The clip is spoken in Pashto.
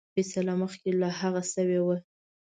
فیصله مخکي له هغه شوې وه.